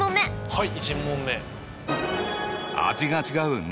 はい。